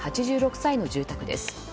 ８６歳の住宅です。